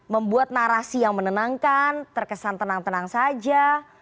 membuat narasi yang menenangkan terkesan tenang tenang saja